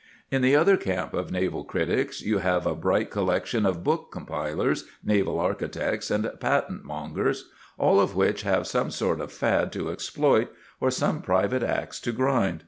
In the other camp of naval critics you have a bright collection of book compilers, naval architects, and patent mongers, all of whom have some sort of fad to exploit or some private axe to grind.